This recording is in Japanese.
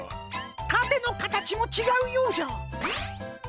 たてのかたちもちがうようじゃ。